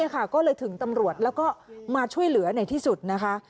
ก็เลยถึงตำรวจแล้วก็มาช่วยเหลือในที่สุดนะคะ